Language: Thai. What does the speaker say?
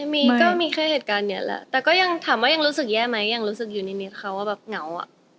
มีก็มีแค่เหตุการณ์นี้แหละแต่ก็ยังถามว่ายังรู้สึกแย่ไหมยังรู้สึกอยู่นิดเขาว่าแบบเหงาอ่ะ